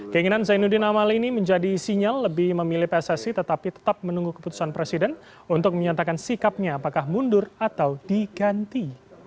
keinginan zainuddin amali ini menjadi sinyal lebih memilih pssi tetapi tetap menunggu keputusan presiden untuk menyatakan sikapnya apakah mundur atau diganti